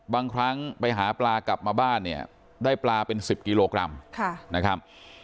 บางครั้งไปหาปลากลับมาบ้านเนี่ยได้ปลาเป็น๑๐กิโลกรัมนะครับ